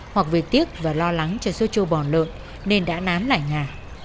hoặc vì tiếc và lo lắng cho số châu bò lợn nên đã nám lại nhà